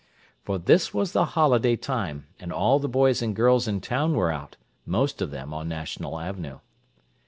For this was the holiday time, and all the boys and girls in town were out, most of them on National Avenue.